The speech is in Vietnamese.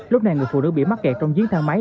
lúc này người phụ nữ bị mắc kẹt trong chiến thang máy